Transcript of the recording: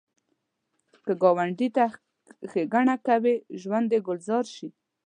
که ګاونډي ته ښیګڼه کوې، ژوند دې ګلزار شي